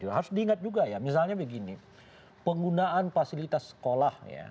harus diingat juga ya misalnya begini penggunaan fasilitas sekolah ya